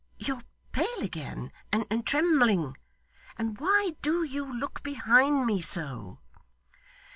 You're pale again, and trembling. And why DO you look behind me so?